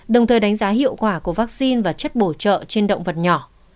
đồng thời đánh giá hiệu quả của vaccine và chất bổ trợ trên động vật nhỏ